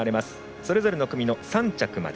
それぞれの組の３着まで。